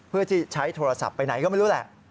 เพื่อที่ใช้โทรศัพท์ไปไหนก็ไม่รู้แหละ